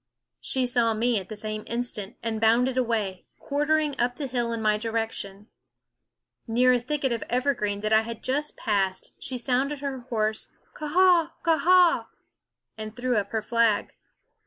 She saw me at the same instant and bounded away, quarter ing up the hill in my direction. Near a thicket of evergreen that I had just passed, she sounded her hoarse K a a h, k a a h ! and threw up her flag.